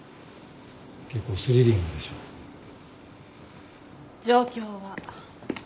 結構スリリングでしょ？状況は？